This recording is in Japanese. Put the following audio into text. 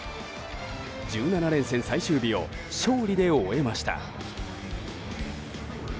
１７連戦最終日を勝利で終えました。